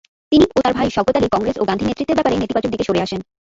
তিনি ও তার ভাই শওকত আলি কংগ্রেস ও গান্ধীর নেতৃত্বের ব্যাপারে নেতিবাচক দিকে সরে আসেন।